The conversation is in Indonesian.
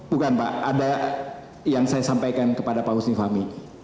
bukan pak ada yang saya sampaikan kepada pak husni fahmi